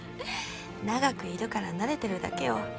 長くいるから慣れてるだけよ。